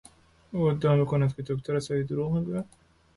او ادعا میکند که دکتر است ولی دروغ میگوید.